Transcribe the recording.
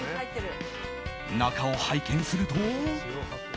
中を拝見すると。